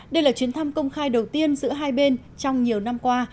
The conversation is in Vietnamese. đây là chuyến thăm công khai đầu tiên giữa hai bên trong nhiều năm qua